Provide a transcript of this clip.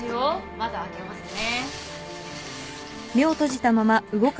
窓開けますね。